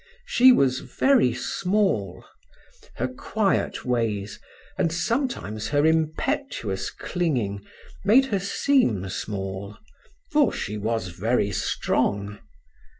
She was very small. Her quiet ways, and sometimes her impetuous clinging made her seem small; for she was very strong.